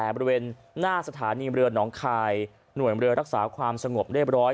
บริเวณหน้าสถานีเรือหนองคายหน่วยเรือรักษาความสงบเรียบร้อย